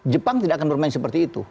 jepang tidak akan bermain seperti itu